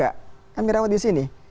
kami rawat di sini